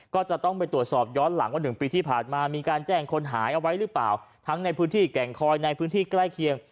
ก็จะต้องไปตรวจสอบย้อนหลังว่าหนึ่งปีที่ผ่านมามีการแจ้งคนหายเอาไว้หรือเปล่าทั้งในพื้นที่แก่งคอยในพื้นที่ใกล้เคียง